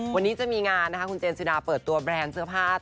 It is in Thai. วันนี้จะมีงานนะคะคุณเจนสุดาเปิดตัวแบรนด์เสื้อผ้า